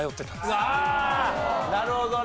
ああなるほどね。